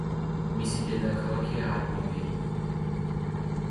მისი დედაქალაქია არმავირი.